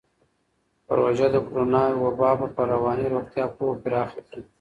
پروژه د کورونا وبا پر رواني روغتیا پوهه پراخه کړې.